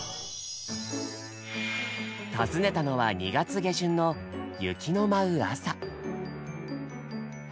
訪ねたのは２月下旬の雪の舞う朝。